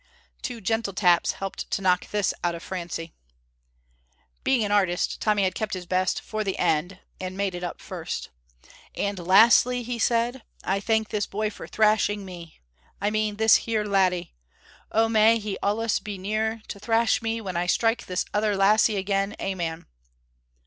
Two gentle taps helped to knock this out of Francie. Being an artist, Tommy had kept his best for the end (and made it up first). "And lastly," he said, "I thank this boy for thrashing me I mean this here laddie. Oh, may he allus be near to thrash me when I strike this other lassie again. Amen."